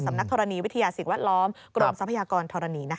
นักธรณีวิทยาสิ่งแวดล้อมกรมทรัพยากรธรณี